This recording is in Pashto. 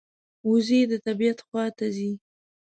وزې د طبعیت خوا ته ځي